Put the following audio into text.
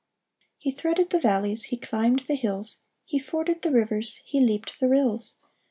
" He threaded the valleys, he climbed the hills, He forded the rivers, he leaped the rills.